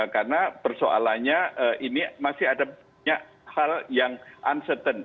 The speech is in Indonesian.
karena persoalannya ini masih ada hal yang uncertain